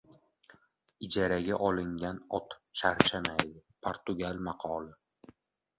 Ijaraga olingan ot charchamaydi. Portugal maqoli